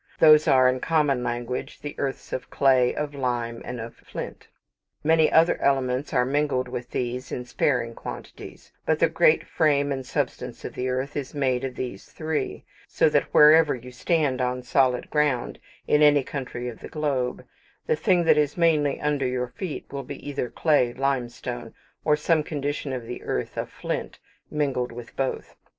Those are, in common language, the earths of clay, of lime, and of flint. Many other elements are mingled with these in sparing quantities; but the great frame and substance of the earth is made of these three, so that wherever you stand on solid ground, in any country of the globe, the thing that is mainly under your feet will be either clay, limestone, or some condition of the earth of flint, mingled with both.